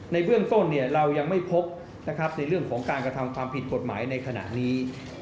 ในเบื้องต้นเรายังไม่พบในเรื่องของการกระทำความผิดกฎหมายในขณะนี้